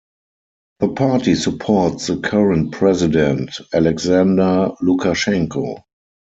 The party supports the current president Alexander Lukashenko.